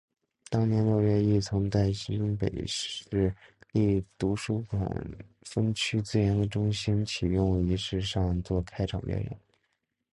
当年六月亦曾在新北市立图书馆分区资源中心启用仪式上做开场表演。